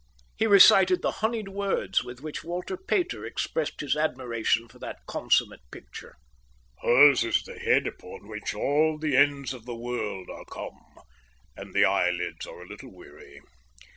He recited the honeyed words with which Walter Pater expressed his admiration for that consummate picture. "Hers is the head upon which all the ends of the world are come, and the eyelids are a little weary.